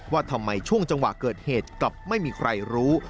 ว่าทำไมช่วงจังหวะเกิดเหตุกลับไม่มีใครรู้